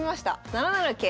７七桂。